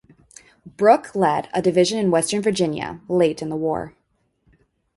Brooke led a division in western Virginia late in the war.